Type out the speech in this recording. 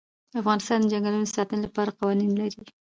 افغانستان د چنګلونه د ساتنې لپاره قوانین لري.